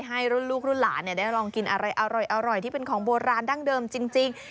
ให้รุ่นลูกรุ่นหลานได้ลองกินอะไรอร่อยที่เป็นของโบราณดั้งเดิมจริง